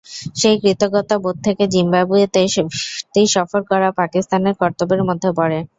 সেই কৃতজ্ঞতাবোধ থেকে জিম্বাবুয়েতে ফিরতি সফর করা পাকিস্তানের কর্তব্যের মধ্যে পড়ে।